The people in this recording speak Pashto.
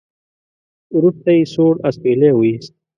وروسته يې سوړ اسويلی وېست.